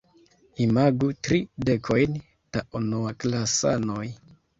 Imagu tri dekojn da unuaklasanoj.